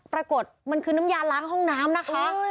ปรากฏมันคือน้ำยาล้างห้องน้ำนะคะ